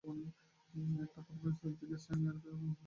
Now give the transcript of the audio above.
একটা পথ প্রবেশদ্বার থেকে স্যাম ইয়াকের দিকে যায়, যা টি-জংশন নামে পরিচিত।